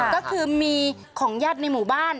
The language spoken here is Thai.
ก็คือมีของญาติในหมู่บ้าน